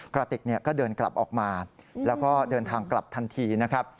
กระติกก็เดินกลับออกมาแล้วก็เดินทางกลับทันทีนะครับ